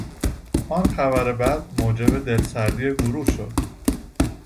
آن خبر بد موجب دلسردی گروه شد.